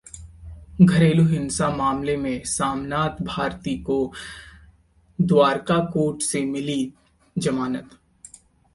घरेलू हिंसा मामले में सोमनाथ भारती को द्वारका कोर्ट से मिली जमानत